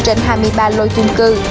trên hai mươi ba lô chung cư